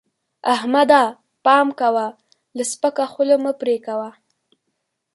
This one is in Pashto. احمده! پام کوه؛ له سپکه خوله مه پرې کوه.